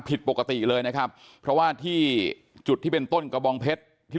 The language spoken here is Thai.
ผิดปกติเลยนะครับเพราะว่าที่จุดที่เป็นต้นกระบองเพชรที่